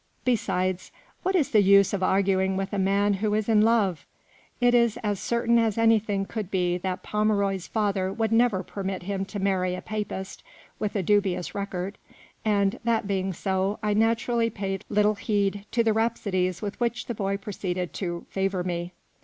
Be sides, what is the use of arguing with a man who is in love ? It was as certain as anything could be that Pomeroy's father would never permit him to marry a Papist with a dubious record ; and, that being so, I naturally paid little heed to the rhapsodies with which the boy proceeded to favour me.